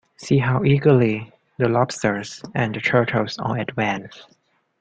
See how eagerly the lobsters and the turtles all advance!